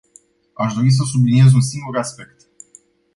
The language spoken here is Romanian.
Aș dori să subliniez un singur aspect.